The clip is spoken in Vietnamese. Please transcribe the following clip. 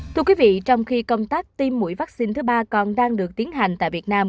thưa quý vị trong khi công tác tiêm mũi vaccine thứ ba còn đang được tiến hành tại việt nam